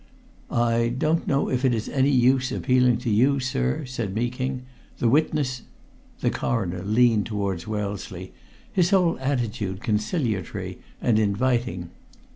"I don't know if it is any use appealing to you, sir," said Meeking. "The witness " The Coroner leaned towards Wellesley, his whole attitude conciliatory and inviting.